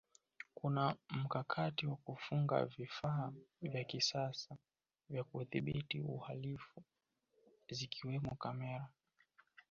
kuna mkakati wa kufunga vifaa vya kisasa vya kudhibiti uhalifu na zikiwamo kamera